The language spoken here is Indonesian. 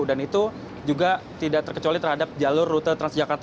dan itu juga tidak terkecuali terhadap jalur rute transjakarta